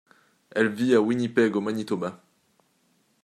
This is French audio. Elle vit à Winnipeg au Manitoba.